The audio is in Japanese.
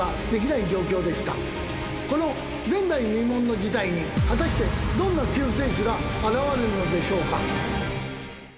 この前代未聞の事態に果たしてどんな救世主が現れるのでしょうか？